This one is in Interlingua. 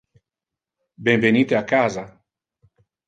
Benvenite a casa.